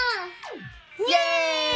イエーイ！